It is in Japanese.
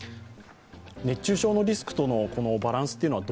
熱中症のリスクとのバランスというのは